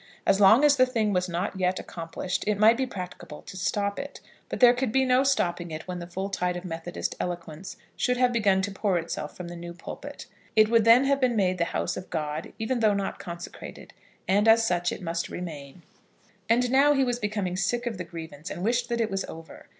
As long as the thing was a thing not yet accomplished it might be practicable to stop it; but there could be no stopping it when the full tide of Methodist eloquence should have begun to pour itself from the new pulpit. It would then have been made the House of God, even though not consecrated, and as such it must remain. And now he was becoming sick of the grievance, and wished that it was over.